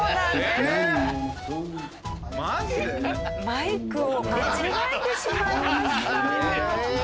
マイクを間違えてしまいました！